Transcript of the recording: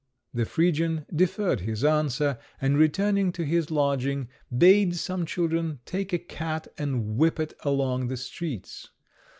The Phrygian deferred his answer, and returning to his lodging, bade some children take a cat and whip it along the streets.